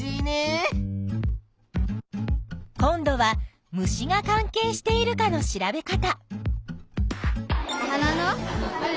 今度は虫が関係しているかの調べ方。